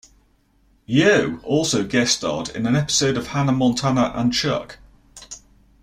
Yeo also guest starred in an episode of "Hannah Montana and Chuck".